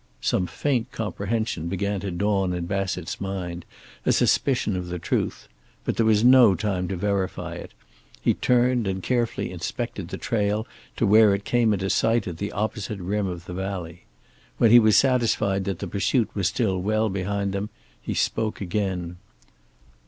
Some faint comprehension began to dawn in Bassett's mind, a suspicion of the truth. But there was no time to verify it. He turned and carefully inspected the trail to where it came into sight at the opposite rim of the valley. When he was satisfied that the pursuit was still well behind them he spoke again.